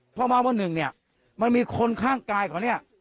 เพราะว่าว่าหนึ่งเนี่ยมันมีคนข้างกายของเนี่ย